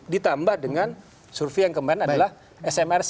ditambah dengan survei yang kemarin adalah smrc